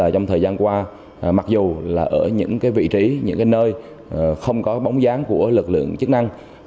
trong thời gian qua mặc dù là ở những vị trí những nơi không có bóng dáng của lực lượng chức năng